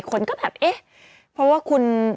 คนก็แบบเอ๊ะเพราะว่าคุณ